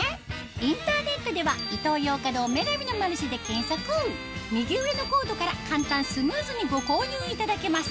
インターネットでは右上のコードから簡単スムーズにご購入いただけます